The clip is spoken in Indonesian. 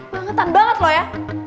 bangetan banget lo ya